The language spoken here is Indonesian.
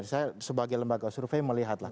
saya sebagai lembaga survei melihatlah